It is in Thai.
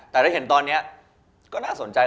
แต่ถ้าเห็นตอนนี้ก็น่าสนใจ